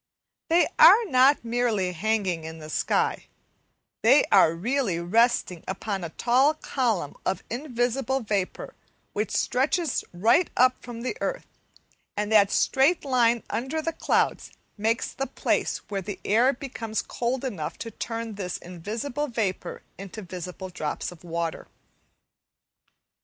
They are not merely hanging in the sky, they are really resting upon a tall column of invisible vapour which stretches right up from the earth; and that straight line under the clouds marks the place where the air becomes cold enough to turn this invisible vapour into visible drops of water.